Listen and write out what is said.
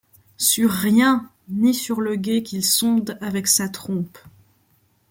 Sur rien, ni sur le gué qu'il sonde avec sa trompe